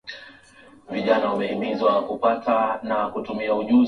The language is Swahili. tulo lusoti dada uko mtaa gani hapo